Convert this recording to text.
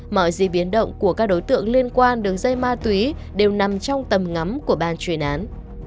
mọi gì biến động của các đối tượng liên quan đường dây ma túy đều nằm trong tầm ngắm của ban truyền án